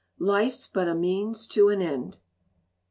[LIFE'S BUT A MEANS TO AN END...